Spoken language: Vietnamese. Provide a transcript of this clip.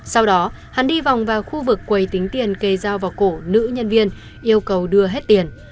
sau đó hắn đi vòng vào khu vực quầy tính tiền kề dao vào cổ nữ nhân viên yêu cầu đưa hết tiền